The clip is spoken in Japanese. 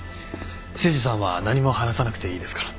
誠司さんは何も話さなくていいですから。